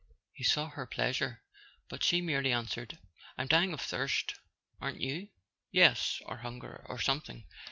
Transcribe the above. He saw her pleasure, but she merely answered: "I'm dying of thirst, aren't you?" "Yes—or hunger, or something.